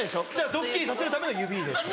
ドッキリさせるための指です。